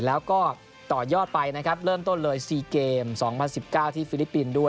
แล้วก็ต่อยอดไปนะครับเริ่มต้นเลย๔เกม๒๐๑๙ที่ฟิลิปปินส์ด้วย